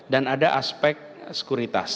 dan ada aspek sekuritas